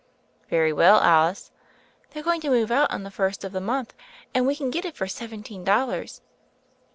'*Very well, Alice." "They're going to move out on the first of the month, and we can get it for seventeen dol lars.